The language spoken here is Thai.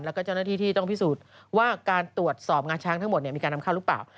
แล้วก็เจ้าหน้าที่ที่ต้องพิสูจน์ว่าการตรวจสอบงาช้างทั้งหมดมีการนำเข้าหรือเปล่า